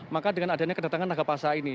maka dengan adanya kedatangan nagapasa ini